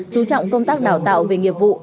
chú trọng công tác đào tạo về nghiệp vụ